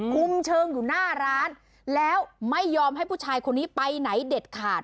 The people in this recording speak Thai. คุมเชิงอยู่หน้าร้านแล้วไม่ยอมให้ผู้ชายคนนี้ไปไหนเด็ดขาด